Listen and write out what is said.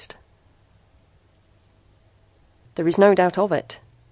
] "There is no doubt of it!"